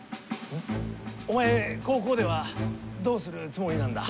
うん？お前高校ではどうするつもりなんだ？